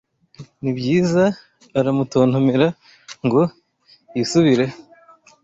Nibyiza aramutontomera ngo yisubirehp